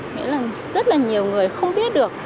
nghĩa là rất là nhiều người không biết được